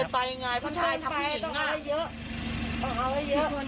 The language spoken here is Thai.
เกินไปยังไงผู้ชายทำสิ่งหิ่ง